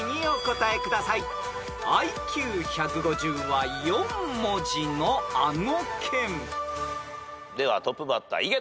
［ＩＱ１５０は４文字のあの県］ではトップバッター井桁さん。